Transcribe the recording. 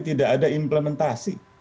tidak ada implementasi